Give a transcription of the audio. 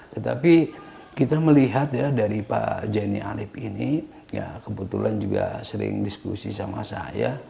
tetapi kita melihat dari pak zaini alip ini kebetulan juga sering diskusi sama saya